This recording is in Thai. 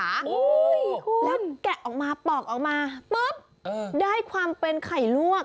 แล้วก็แกะออกมาปอกออกมาได้ความเป็นไข่ลวก